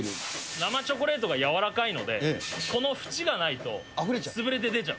生チョコレートがやわらかいので、この縁がないと、潰れて出ちゃう。